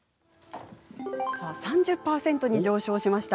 ３０％に上昇しました。